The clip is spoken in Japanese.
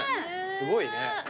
すごいね。